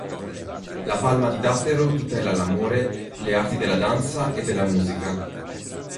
La palma di dattero tutela l'amore, le arti della danza e della musica.